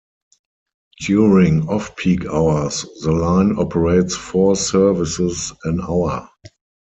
During off peak hours, the line operates four services an hour.